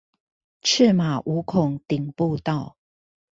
赤馬五孔頂步道